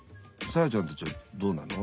サーヤちゃんたちはどうなの？